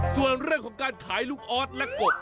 ส่วนเรื่องของการขายลูกออสและกบ